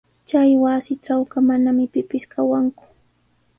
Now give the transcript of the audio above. Chay wasitrawqa manami pipis kawanku.